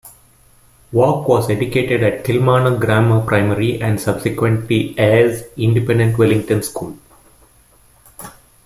Wark was educated at Kilmarnock Grammar Primary and subsequently Ayr's independent Wellington School.